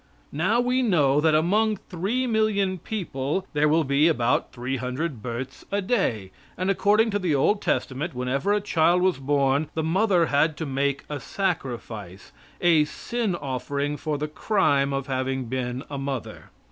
Now, we know that among three million people there will be about three hundred births a day; and according to the Old Testament, whenever a child was born the mother had to make a sacrifice a sin offering for the crime of having been a mother.